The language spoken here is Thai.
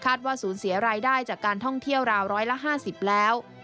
ว่าสูญเสียรายได้จากการท่องเที่ยวราวร้อยละ๕๐แล้ว